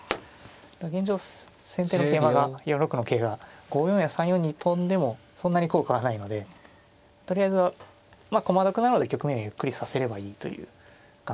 現状先手の桂馬が４六の桂が５四や３四に跳んでもそんなに効果はないのでとりあえずまあ駒得なので局面ゆっくり指せればいいという考えなんですね